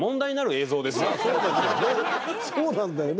そうなんだよね。